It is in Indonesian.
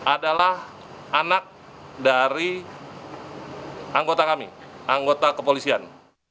adalah anak dari anggota kami anggota kepolisian